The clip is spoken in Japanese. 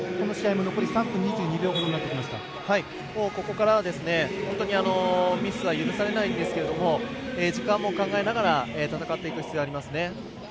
ここからは、本当にミスは許されないんですが時間も考えながら戦っていく必要がありますね。